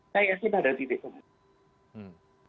saya yakin ada titik temu